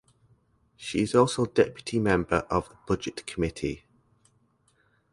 She is also deputy member of the budget committee.